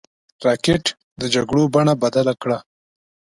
راکټ د جګړو بڼه بدله کړه